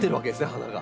花が。